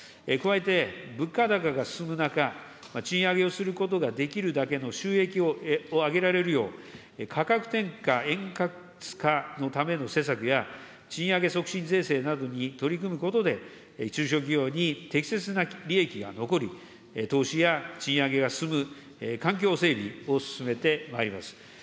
加えて、物価高が進む中、賃上げをすることができるだけの収益を上げられるよう、価格転嫁円滑化のための施策や、賃上げ促進是正などに取り組むことで、中小企業に適切な利益が残り、投資や賃上げが進む環境整備を進めてまいります。